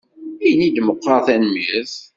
Ini-d meqqar tanemmirt.